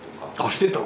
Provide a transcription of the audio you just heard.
してた。